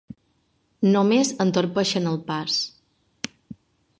Només entorpeixen el pas.